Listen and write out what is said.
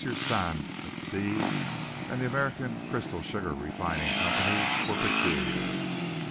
Sand et Cie and the American Crystal Sugar Refining Company, were peculiar.